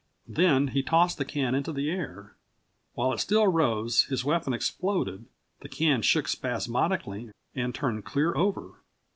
Then he tossed the can into the air. While it still rose his weapon exploded, the can shook spasmodically and turned clear over.